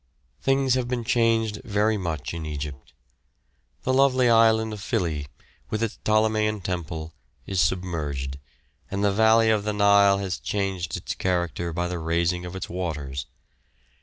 Things have been changed very much in Egypt. The lovely island of Philæ, with its Ptolemean temple, is submerged, and the valley of the Nile has changed its character by the raising of its waters.